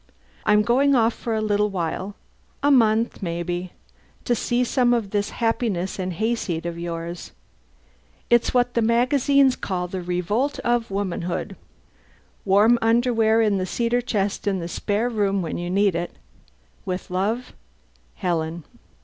I'm going off for a little while a month, maybe to see some of this happiness and hayseed of yours. It's what the magazines call the revolt of womanhood. Warm underwear in the cedar chest in the spare room when you need it. With love, HELEN.